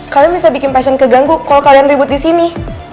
kalian bisa bikin pasien keganggu kalau kalian ribut di sini